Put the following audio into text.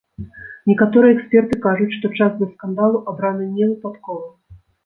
Некаторыя эксперты кажуць, што час для скандалу абраны не выпадкова.